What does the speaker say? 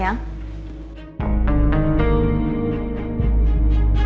ya ini tuh